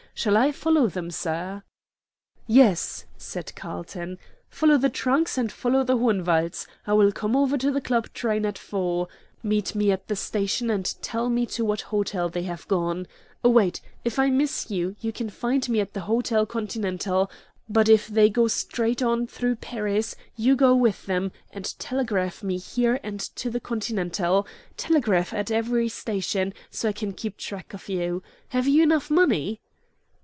Shall I follow them, sir?" "Yes," said Carlton. "Follow the trunks and follow the Hohenwalds. I will come over on the Club train at four. Meet me at the station, and tell me to what hotel they have gone. Wait; if I miss you, you can find me at the Hotel Continental; but if they go straight on through Paris, you go with them, and telegraph me here and to the Continental. Telegraph at every station, so I can keep track of you. Have you enough money?"